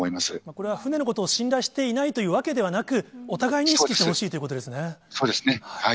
これは船のことを信頼していないというわけではなく、お互いに意識してほしいということですそうですね。